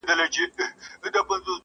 چي په تېښته کي چالاک لکه ماهى وو؛